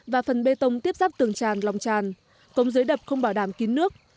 và phần bê tông tiếp ráp tường tràn lòng tràn công dưới đập không bảo đảm kín nước